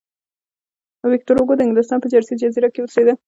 ویکتور هوګو د انګلستان په جرسي جزیره کې اوسېده.